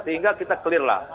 sehingga kita clear lah